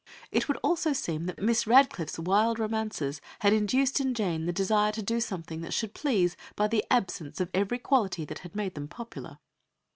It would also seem that Mrs. Radcliffe's wild romances had induced in Jane the desire to do something that should please by the absence of every quality that had made them popular.